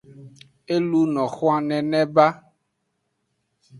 E luno xwan nene ba.